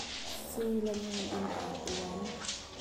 Sui le ngun in aa tuam.